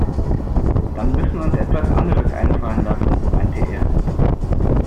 Dann müssen wir uns etwas anderes einfallen lassen, meinte er.